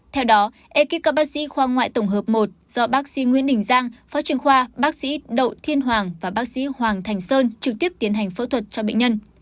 theo đó ekip các bác sĩ khoa ngoại tổng hợp một do bác sĩ nguyễn đình giang phó trưởng khoa bác sĩ đậu thiên hoàng và bác sĩ hoàng thành sơn trực tiếp tiến hành phẫu thuật cho bệnh nhân